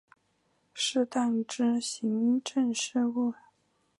适当之行政事务